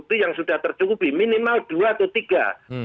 bukti yang sudah tercukupi minimal dua atau tiga